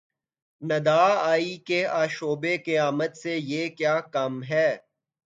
ندا آئی کہ آشوب قیامت سے یہ کیا کم ہے